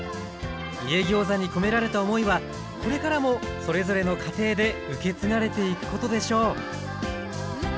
「家ギョーザ」に込められた思いはこれからもそれぞれの家庭で受け継がれていくことでしょう